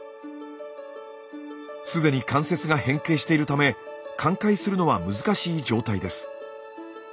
既に関節が変形しているため寛解するのは難しい状態です。